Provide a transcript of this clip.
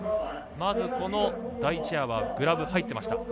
まず第１エアはグラブ入っていました。